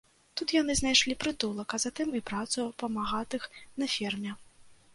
Тут яны знайшлі прытулак, а затым і працу памагатых на ферме.